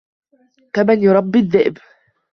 كمن يربي الذئب